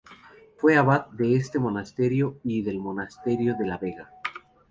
Fue Abad de este monasterio y del Monasterio de la Vega.